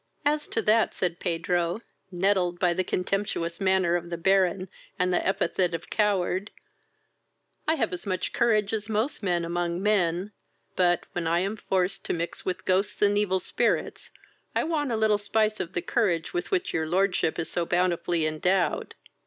"As to that, (said Pedro, nettled by the contemptuous manner of the Baron, and the epithet of coward,) I have as much courage as most men among men; but, when I am forced to mix with ghosts and evil spirits, I want a little spice of the courage with which your lordship is so bountifully endowed.